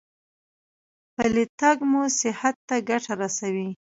پلی تګ مو صحت ته ګټه رسوي.